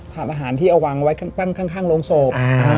ถาดอาหารที่เอาวางไว้ข้างโรงโสพ